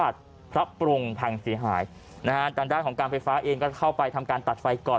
จังด้านของการไฟฟ้าเองก็เข้าไปทำการตัดไฟก่อน